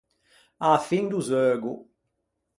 A-a fin do zeugo.